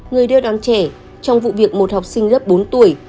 người đeo đoán trẻ trong vụ việc một học sinh lớp bốn tuổi